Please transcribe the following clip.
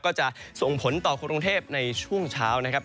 ก็จะส่งผลต่อกรุงเทพในช่วงเช้านะครับ